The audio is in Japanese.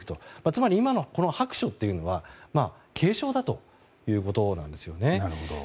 つまり今の白書というのは警鐘だということなんです。